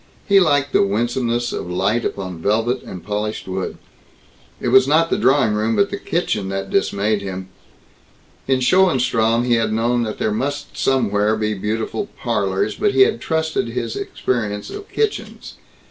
He liked the winsomeness of light upon velvet and polished wood. It was not the drawing room but the kitchen that dismayed him. In Schoenstrom he had known that there must somewhere be beautiful "parlors," but he had trusted in his experience of kitchens.